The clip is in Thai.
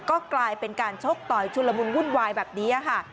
ก็กลายเป็นการชกต่อยชุลมุนวุ่นวายแบบนี้ค่ะ